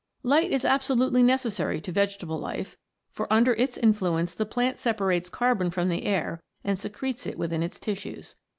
Light is absolutely necessary to vegetable life, for under its influence the plant separates carbon from the air and secretes it within its tissues.